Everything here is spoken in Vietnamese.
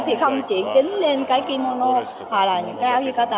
thì không chỉ đính lên cái kimono hoặc là những cái áo yukata